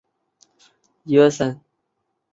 笋也可以晒干或烘干做成笋干。